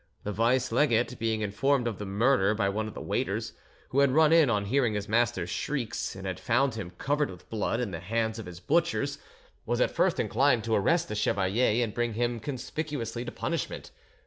The vice legate being informed of the murder by one of the waiters, who had run in on hearing his master's shrieks, and had found him, covered with blood, in the hands of his butchers, was at first inclined to arrest the chevalier and bring him conspicuously to punishment.